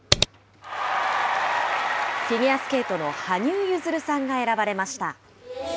フィギュアスケートの羽生結弦さんが選ばれました。